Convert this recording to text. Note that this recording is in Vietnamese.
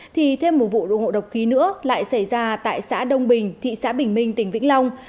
thì thêm một vụ đột ngộ độc khí nữa lại xảy ra tại xã đông bình thị xã bình minh tỉnh vĩnh long